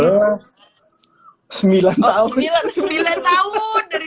oh sembilan tahun dari dua ribu sebelas